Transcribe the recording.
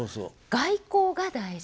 外交が大事。